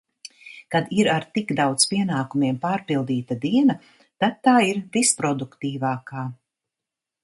Kad ir ar tik daudz pienākumiem pārpildīta diena, tad tā ir visproduktīvākā.